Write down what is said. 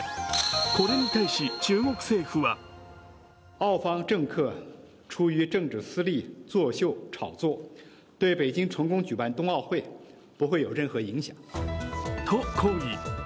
これに対し、中国政府はと抗議。